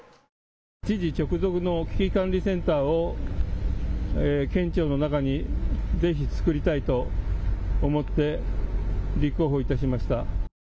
知事直属の危機管理センターを県庁の中にぜひ作りたいと思って立候補いたしました。